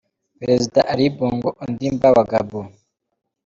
Perezida Ali Bongo Ondimba wa Gabon.